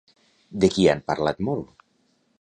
De qui han parlat molt?